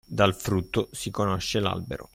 Dal frutto si conosce l'albero.